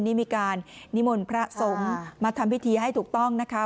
นี่มีการนิมนต์พระสงฆ์มาทำพิธีให้ถูกต้องนะคะ